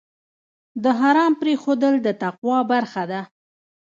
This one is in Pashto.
د حرام پرېښودل د تقوی برخه ده.